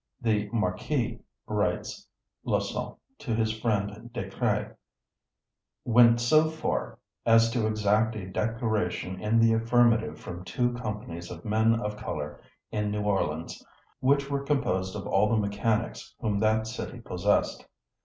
"The Marquis," writes Laussat to his friend Decr├©s, "went so far as to exact a declaration in the affirmative from two companies of men of color in New Orleans, which were composed of all the mechanics whom that city possessed.